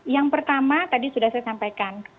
yang pertama tadi sudah saya sampaikan